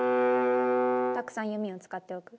たくさん弓を使っておく。